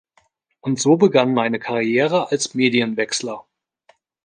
Und so begann meine Karriere als Medienwechsler.